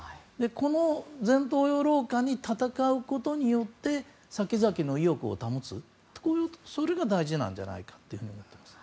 この前頭葉老化に闘うことによって先々の意欲を保つそれが大事なんじゃないかと思います。